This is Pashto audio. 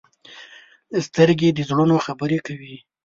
سترګې د زړونو خبرې کوي